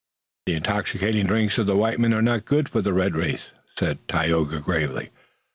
"The intoxicating drinks of the white men are not good for the red race," said Tayoga gravely.